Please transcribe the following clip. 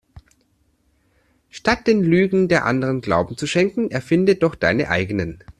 Statt den Lügen der Anderen Glauben zu schenken erfinde doch deine eigenen.